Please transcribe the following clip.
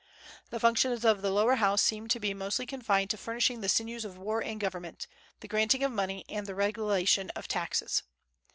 The functions of the lower House seemed to be mostly confined to furnishing the sinews of war and government, the granting of money and the regulation of taxes.